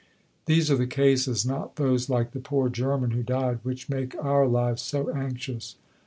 These are the cases, not those like the poor German who died, which make our lives so anxious."